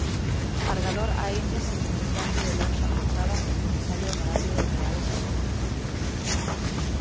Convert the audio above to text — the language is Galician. Cargador a Indias e Comerciante de Lonxa pechada e Comisario Honorario dos Reales Exércitos.